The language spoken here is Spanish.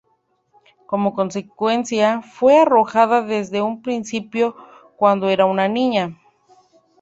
Como consecuencia, fue arrojada desde un precipicio cuando era una niña.